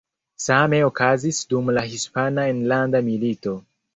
Same okazis dum la Hispana Enlanda Milito.